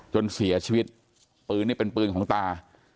จนเสียชีวิตปืนนี่เป็นปืนของตา